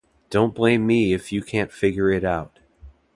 Don't blame me if you can't figure it out.